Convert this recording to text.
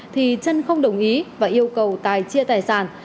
thì trân không đồng ý và yêu cầu tài chia tài sản